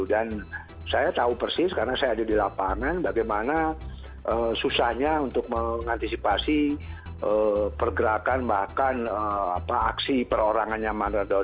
dan saya tahu persis karena saya ada di lapangan bagaimana susahnya untuk mengantisipasi pergerakan bahkan aksi perorangannya maradona